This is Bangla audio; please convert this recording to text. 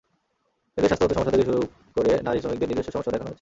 এতে স্বাস্থ্যগত সমস্যা থেকে শুরু কের নারী শ্রমিকেদের নিজস্ব সমস্যাও দেখানো হয়েছে।